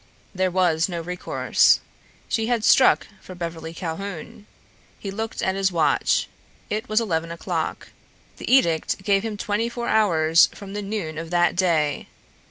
There was no recourse. She had struck for Beverly Calhoun. He looked at his watch. It was eleven o'clock. The edict gave him twenty four hours from the noon of that day.